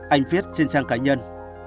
anh viết trên trang cá nhân